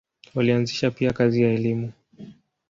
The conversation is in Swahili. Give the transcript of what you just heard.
Walianzisha pia kazi ya elimu.